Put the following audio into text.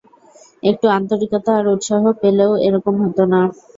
একটু আন্তরিকতা আর উৎসাহ পেলে ও এরকম হতো না।